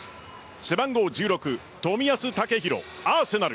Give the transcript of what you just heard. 背番号１６・冨安健洋アーセナル